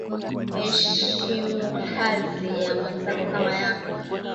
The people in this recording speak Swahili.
Heshimukazi ya mwenzako kama yako